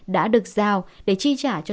đã được giao để chi trả cho